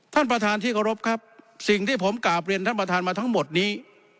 ท่านประธานที่เคารพครับสิ่งที่ผมกราบเรียนท่านประธานมาทั้งหมดนี้